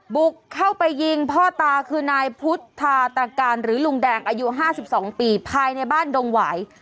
บุกเข้าไปยิงพ่อตาคือนายพุทธาตรการหรือลุงแดงอายุ๕๒ปีภายในบ้านดงหวาย